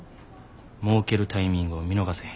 もうけるタイミングを見逃せへん。